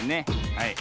はい。